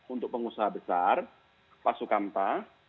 untuk pengusaha besar pak sukamta